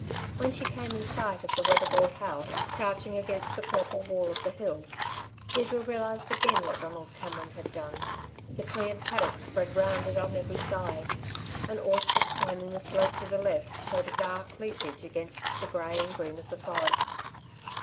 When she came in sight of the weatherboard house crouching against the purple wall of the hills, Deirdre realised again what Donald Cameron had done. The cleared paddocks spread round it on every side. An orchard climbing the slope to the left showed in dark leafage against the grey and green of the forest.